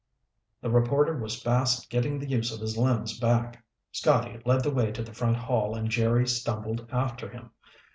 The reporter was fast getting the use of his limbs back. Scotty led the way to the front hall and Jerry stumbled after him.